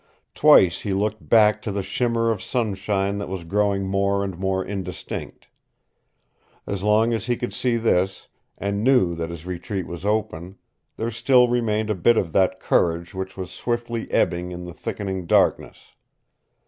Twice he looked back to the shimmer of sunshine that was growing more and more indistinct. As long as he could see this, and knew that his retreat was open, there still remained a bit of that courage which was swiftly ebbing in the thickening darkness.